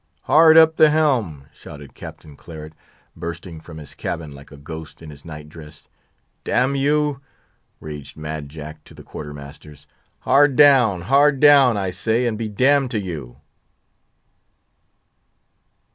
"Hard up the helm!" shouted Captain Claret, bursting from his cabin like a ghost in his night dress. "Damn you!" raged Mad Jack to the quarter masters; "hard down—hard down, I say, and be damned to you!"